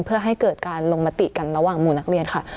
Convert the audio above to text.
เพื่อให้เกิดการลงมติกันระหว่างหมู่นักเรียนค่ะ